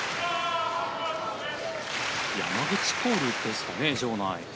山口コールですかね、場内。